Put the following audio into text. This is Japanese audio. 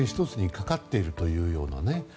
１つにかかっているというようなね。